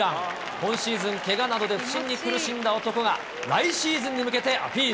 今シーズン、けがなどで不振に苦しんだ男が来シーズンに向けてアピール。